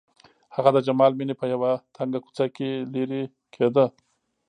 هغه د جمال مېنې په يوه تنګه کوڅه کې لېرې کېده.